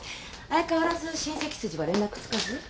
相変わらず親戚筋は連絡つかず？